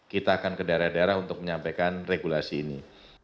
kita akan ke daerah daerah untuk menyampaikan regulasi ini